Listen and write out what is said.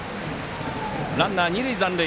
ランナー、二塁残塁。